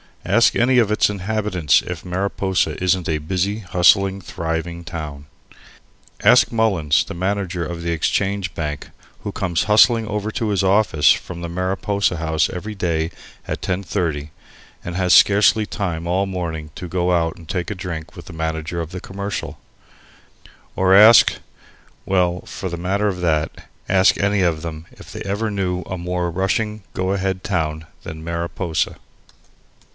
Ask any of its inhabitants if Mariposa isn't a busy, hustling, thriving town. Ask Mullins, the manager of the Exchange Bank, who comes hustling over to his office from the Mariposa House every day at 10.30 and has scarcely time all morning to go out and take a drink with the manager of the Commercial; or ask well, for the matter of that, ask any of them if they ever knew a more rushing go a head town than Mariposa.